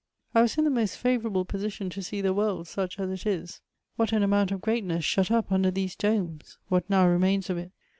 I was in the most fayonrable position to see the world, sach as it b. What an amount of greatness shut up mider these domes ! What now remains of it